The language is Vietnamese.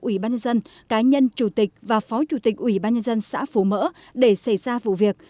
ủy ban nhân dân cá nhân chủ tịch và phó chủ tịch ủy ban nhân dân xã phú mỡ để xảy ra vụ việc